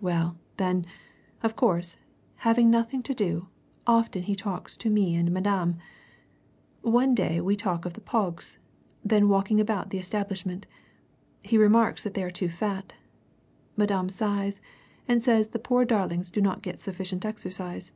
Well, then, of course, having nothing to do, often he talks to me and Madame. One day we talk of the pogs, then walking about the establishment. He remarks that they are too fat. Madame sighs and says the poor darlings do not get sufficient exercise.